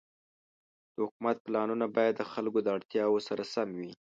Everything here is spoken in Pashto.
د حکومت پلانونه باید د خلکو د اړتیاوو سره سم وي.